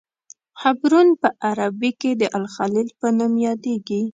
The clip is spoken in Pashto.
حبرون په عربي کې د الخلیل په نوم یادیږي.